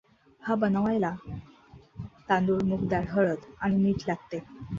हा बनवायला तांदूळ, मूगडाळ, हळद आणि मीठ लागते.